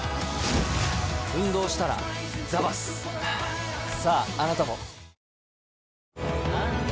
ああなたも。